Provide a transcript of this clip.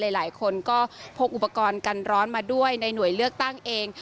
หลายคนก็พกอุปกรณ์กันร้อนมาด้วยในหน่วยเลือกตั้งเอง